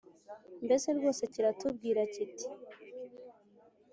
mbese rwose kiratubwira kiti: